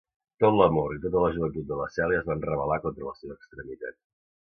Tot l'amor i tota la joventut de la Celia es van rebel·lar contra la seva extremitat.